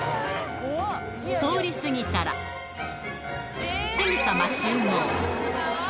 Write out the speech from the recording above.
通り過ぎたら、すぐさま集合。